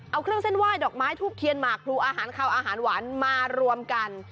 เอาเครื่องเส้นไหว้ดอกไม้ทูบเทียนหมากพลูอาหารขาวอาหารหวานมารวมกัน